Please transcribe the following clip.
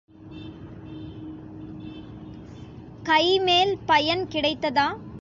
கைமேல் பயன் கிடைத்ததா?